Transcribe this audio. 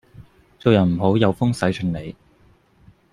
做人唔好有風使盡 𢃇